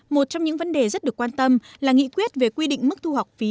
một trong những vấn đề rất được quan tâm là nghị quyết về quy định mức thu học phí